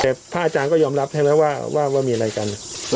แต่พระอาจารย์ก็ยอมรับใช่ไหมว่ามีอะไรกัน